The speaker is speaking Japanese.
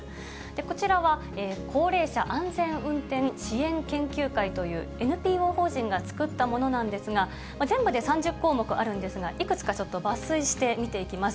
こちらは、高齢者安全運転支援研究会という、ＮＰＯ法人が作ったものなんですが、全部で３０項目あるんですが、いくつかちょっと抜粋して見ていきます。